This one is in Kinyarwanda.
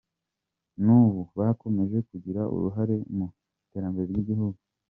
N’ubu bakomeje kugira uruhare mu iterambere ry’igihugu.